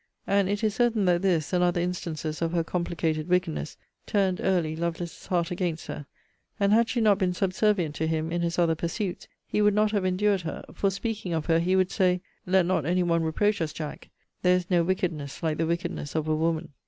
And it is certain that this, and other instances of her complicated wickedness, turned early Lovelace's heart against her; and, had she not been subservient to him in his other pursuits, he would not have endured her: for, speaking of her, he would say, Let not any one reproach us, Jack: there is no wickedness like the wickedness of a woman.